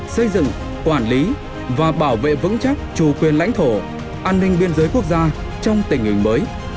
xây dựng quản lý và bảo vệ vững chắc chủ quyền lãnh thổ an ninh biên giới quốc gia trong tình hình mới